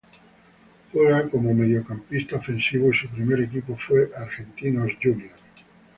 Juega como mediocampista ofensivo y su primer equipo fue Argentinos Juniors.